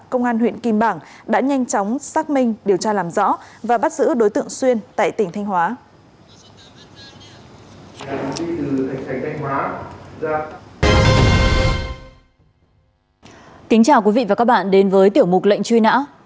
công an huyện kim bảng đã nhanh chóng xác minh điều tra làm rõ và bắt giữ đối tượng xuyên tại tỉnh thanh hóa